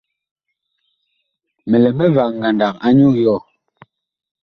Mi lɛ mivag ngandag anyuu yɔɔ.